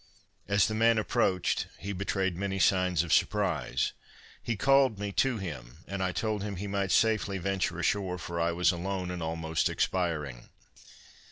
As the man approached, he betrayed many signs of surprise; he called me to him, and I told him he might safely venture ashore, for I was alone, and almost expiring.